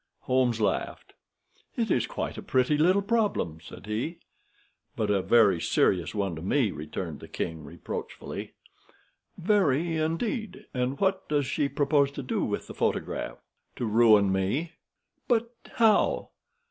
Holmes laughed. "It is quite a pretty little problem," said he. "But a very serious one to me," returned the king, reproachfully. "Very, indeed. And what does she propose to do with the photograph?" "To ruin me." "But how?"